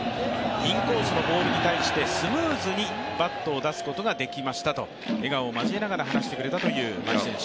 インコースのボールに対してスムーズにバットを出すことができましたと笑顔を交えながら話してくれたという牧選手。